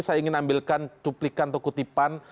saya ingin ambilkan cuplikan atau kutipan